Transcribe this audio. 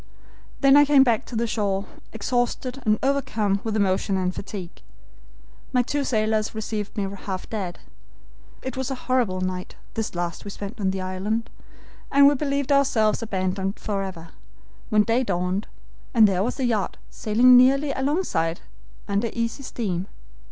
"Then I came back to the shore, exhausted and overcome with emotion and fatigue. My two sailors received me half dead. It was a horrible night this last we spent on the island, and we believed ourselves abandoned forever, when day dawned, and there was the yacht sailing nearly alongside, under easy steam.